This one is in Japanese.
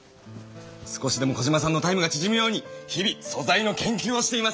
少しでもコジマさんのタイムがちぢむように日々素材の研究をしています！